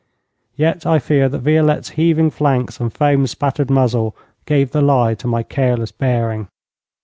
Yet I fear that Violette's heaving flanks and foam spattered muzzle gave the lie to my careless bearing.